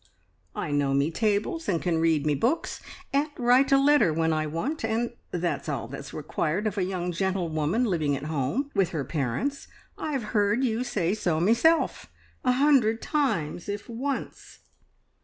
"I know me tables and can read me books, and write a letter when I want, and that's all that's required of a young gentlewoman living at home with her parents. I've heard you say so meself a hundred times, if once."